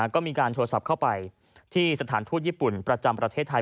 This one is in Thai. ก็มีการโทรศัพท์เข้าไปที่สถานทูตญี่ปุ่นประจำประเทศไทย